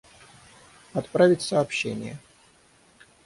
Отправить сообщение